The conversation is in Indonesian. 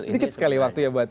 sedikit sekali waktunya buat